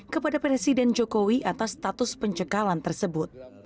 kepada presiden jokowi atas status pencekalan tersebut